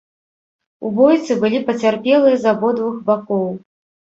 У бойцы былі пацярпелыя з абодвух бакоў.